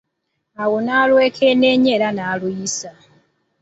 Ate nalwo n'alwekenneenya era n’aluyisa.